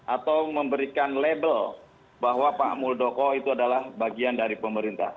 atau memberikan label bahwa pak muldoko itu adalah bagian dari pemerintah